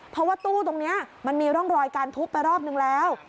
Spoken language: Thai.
เพราะว่าตู้ตรงนี้มันมีร่องรอยการทุบไปรอบนึงแล้ว